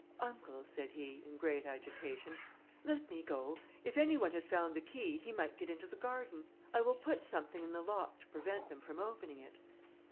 "Uncle," said he, in great agitation, "let me go; if any one has found the key, he may get into the garden; I will put something in the lock to prevent them from opening it."